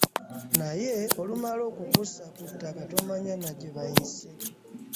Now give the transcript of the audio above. Naye olumala okukussa ku ttaka tomanya na gye bayise.